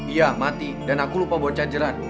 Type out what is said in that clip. iya mati dan aku lupa buat cacelan